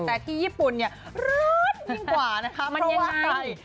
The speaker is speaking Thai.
แต่ที่ญี่ปุ่นเนี่ยร้อนยิ่งกว่านะคะมันยังไง